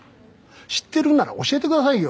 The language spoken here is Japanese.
知ってるんなら教えてくださいよ